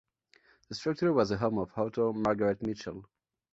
The structure was the home of author Margaret Mitchell.